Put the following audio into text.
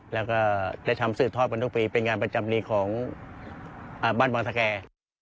แล้วก็ได้ทำสืบทอดกันทุกปีเป็นงานประจำนี้ของบ้านวังสแก่